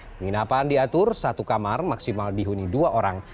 penginapan diatur satu kamar maksimal dihuni dua orang